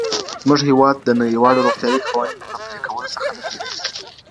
زموږ هېواد د نړیوالو روغتیایي قوانینو له پلي کولو څخه نه تیریږي.